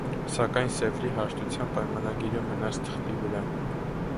Սակայն Սևրի հաշտության պայմանագիրը մնաց թղթի վրա։